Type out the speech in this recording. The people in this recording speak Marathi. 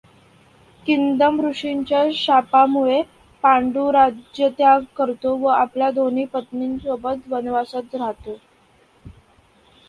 किंदम ऋषींच्या शापामुळे पांडू राज्यत्याग करतो व आपल्या दोन्ही पत्नीसोबत वनवासात रहातो.